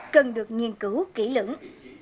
cần được nghiên cứu kỹ lưỡng